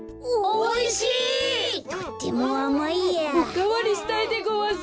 おかわりしたいでごわす！